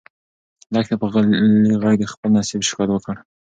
لښتې په غلي غږ د خپل نصیب شکایت وکړ.